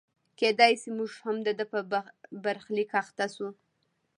کېدای شي موږ هم د ده په برخلیک اخته شو.